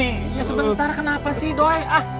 iya sebentar kenapa sih doi ah